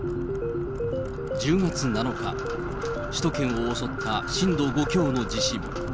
１０月７日、首都圏を襲った震度５強の地震。